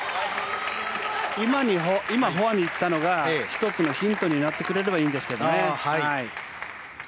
今、フォアにいったのが１つのヒントになってくれればいいんですけどね。